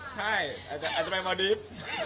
ใช่อาจจะไปมอดีฟ